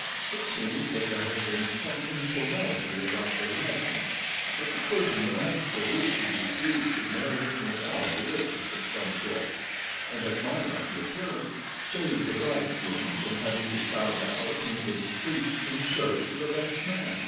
It seems that there had been some informality about their license; that the clergyman absolutely refused to marry them without a witness of some sort, and that my lucky appearance saved the bridegroom from having to sally out into the streets in search of a best man.